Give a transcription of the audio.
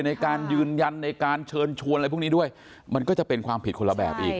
ในการยืนยันในการเชิญชวนอะไรพวกนี้ด้วยมันก็จะเป็นความผิดคนละแบบอีก